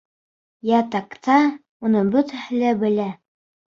Ятаҡта уны бөтәһе лә белә.